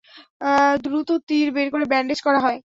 দ্রুত তীর বের করে ব্যান্ডেজ করা হয়।